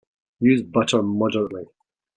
Use butter moderately.